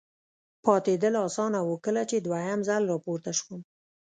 پاتېدل اسانه و، کله چې دوهم ځل را پورته شوم.